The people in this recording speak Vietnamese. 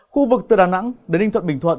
khu vực từ đà nẵng đến ninh thuận bình thuận